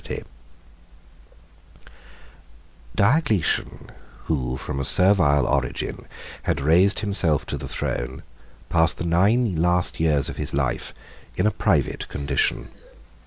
] Diocletian, who, from a servile origin, had raised himself to the throne, passed the nine last years of his life in a private condition.